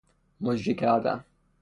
مجری کردن